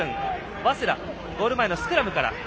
早稲田、ゴール前のスクラムから。